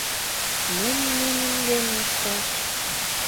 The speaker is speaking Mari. Мом нинын дене ышташ?